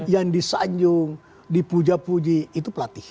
yang disanjung dipuja puji itu pelatih